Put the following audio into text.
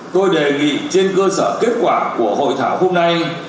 tôi đề nghị trên cơ sở kết quả của hội thảo hôm nay